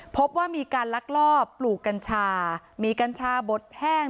พบว่ามีการลักลอบปลูกกัญชามีกัญชาบดแห้ง